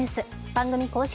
番組公式